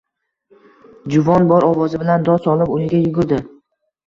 Juvon bor ovozi bilan dod solib, uyiga yugurdi